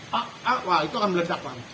pak pak wah itu akan melejak wak